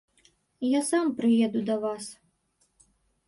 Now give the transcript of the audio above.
Я сам прыеду да вас.